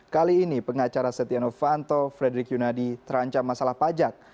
kali ini pengacara setia novanto frederick yunadi terancam masalah pajak